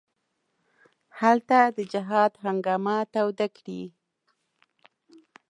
هلته د جهاد هنګامه توده کړي.